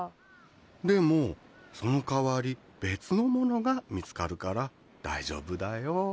でもその代わり別のものが見つかるから大丈夫だよ。